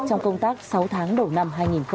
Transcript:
trong công tác sáu tháng đầu năm hai nghìn một mươi chín